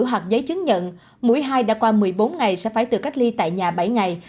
hoặc giấy chứng nhận mũi hai đã qua một mươi bốn ngày sẽ phải tự cách ly tại nhà bảy ngày